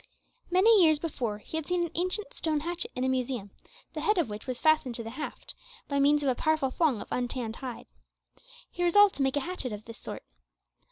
Many years before, he had seen an ancient stone hatchet in a museum, the head of which was fastened to the haft by means of a powerful thong of untanned hide. He resolved to make a hatchet of this sort.